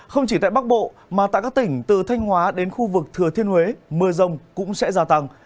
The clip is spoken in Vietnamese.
không chỉ tại bắc bộ mà tại các tỉnh từ thanh hóa đến khu vực thừa thiên huế mưa rông cũng sẽ gia tăng